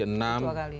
yang kedua kalinya